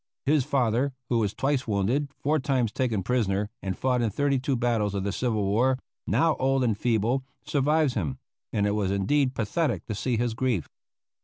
His father, who was twice wounded, four times taken prisoner, and fought in thirty two battles of the civil war, now old and feeble, survives him, and it was indeed pathetic to see his grief.